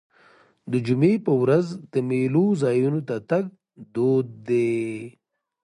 د جمعې په ورځ د میلو ځایونو ته تګ دود دی.